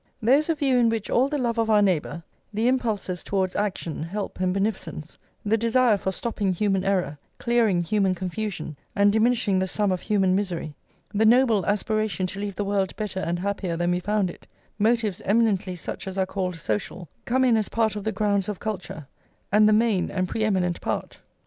There is a view in which all the love of our neighbour, the impulses towards action, help, and beneficence, the desire for stopping human error, clearing human confusion, and diminishing the sum of human misery, the noble aspiration to leave the world better and happier than we found it, motives eminently such as are called social, come in as part of the grounds of culture, and the main and pre eminent part.